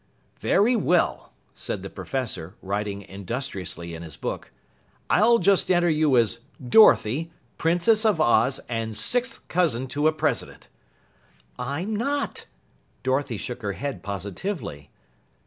"Very well," said the Professor, writing industriously in his book. "I'll just enter you as 'Dorothy, Princess of Oz and sixth cousin to a President!'" "I'm not!" Dorothy shook her head positively.